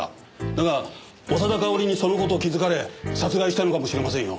だが長田かおりにその事を気づかれ殺害したのかもしれませんよ。